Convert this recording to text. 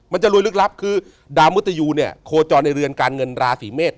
มันจะรวยลึกลับคือดาวมุตยูเนี่ยโคจรในเรือนการเงินราศีเมษ